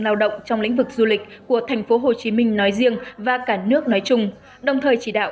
lao động trong lĩnh vực du lịch của tp hcm nói riêng và cả nước nói chung đồng thời chỉ đạo